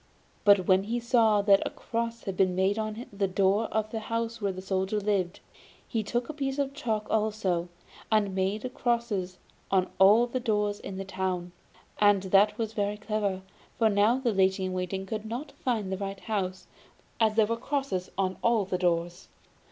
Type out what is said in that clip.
But when he saw that a cross had been made on the door of the house where the Soldier lived, he took a piece of chalk also, and made crosses on all the doors in the town; and that was very clever, for now the lady in waiting could not find the right house, as there were crosses on all the doors.